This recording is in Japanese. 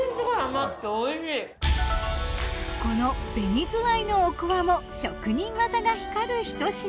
この紅ずわいのおこわも職人技が光るひと品。